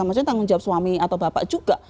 maksudnya tanggung jawab suami atau bapak juga